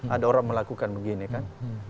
ada orang melakukan begini kan